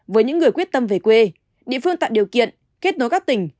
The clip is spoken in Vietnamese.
với những người quyết tâm về quê địa phương tạo điều kiện kết nối các tỉnh